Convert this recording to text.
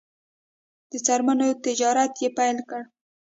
د څرمنو تجارت یې پیل کړ.